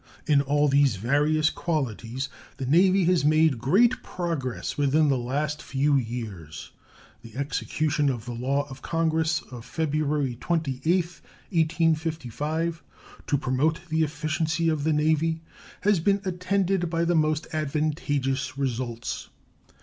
In all these various qualities the Navy has made great progress within the last few years. The execution of the law of Congress of February 28, 1855, "to promote the efficiency of the Navy," has been attended by the most advantageous results.